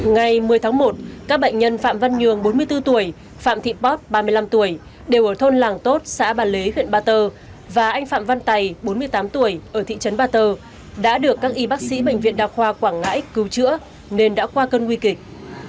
ngày một mươi tháng một các bệnh nhân phạm văn nhường bốn mươi bốn tuổi phạm thị pop ba mươi năm tuổi đều ở thôn làng tốt xã bà lế huyện ba tơ và anh phạm văn tày bốn mươi tám tuổi ở thị trấn ba tơ đã được các y bác sĩ bệnh viện đa khoa quảng ngãi cứu chữa nên đã qua cơn nguy kịch